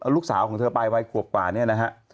ลูกสาวของเธอไปไว้ขวบขวานี่นะฮะ